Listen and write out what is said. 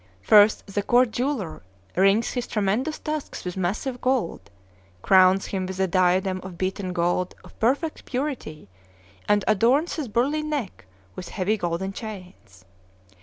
First, the court jeweller rings his tremendous tusks with massive gold, crowns him with a diadem of beaten gold of perfect purity, and adorns his burly neck with heavy golden chains.